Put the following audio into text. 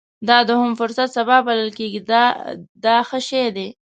دا دوهم فرصت سبا بلل کېږي دا ښه شی دی.